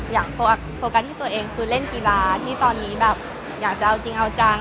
โฟกัสที่ตัวเองคือเล่นกีฬาที่ตอนนี้แบบอยากจะเอาจริงเอาจัง